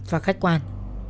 và khách quan